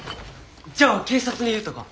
じゃあ警察に言うとか。